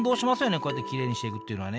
こうやってきれいにしていくっていうのはね。